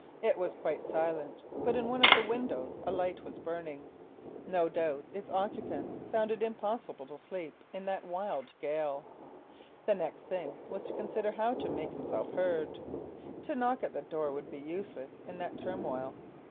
It was quite silent, but in one of the windows a light was burning. No doubt its occupants found it impossible to sleep in that wild gale. The next thing to consider was how to make himself heard. To knock at the door would be useless in that turmoil.